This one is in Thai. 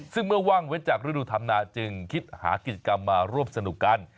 ซึ่งเมื่อว่างเว้นจากฤดูธรรมนาจึงคิดหากิจกรรมมาร่วมสนุกกัน